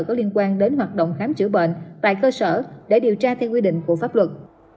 có liên quan đến hoạt động khám chữa bệnh tại cơ sở để điều tra theo quy định của pháp luật